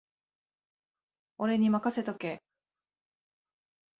俺にまかせとけ